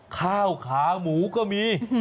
ข้าวขาหมูก็มี